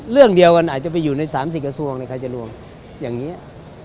เรื่องเดียวกันอาจจะไปอยู่ใน๓๐กระทรวงใครจะรวมอย่างนี้